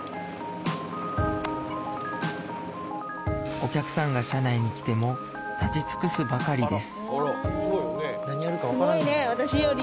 お客さんが車内に来ても立ち尽くすばかりです